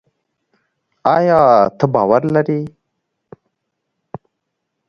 ایا ته باور لري؟